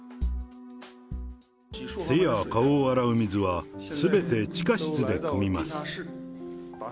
手や顔を洗う水は、すべて地下室でくみます。